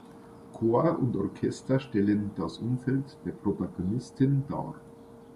Chor und Orchester stellen das Umfeld der Protagonistin dar.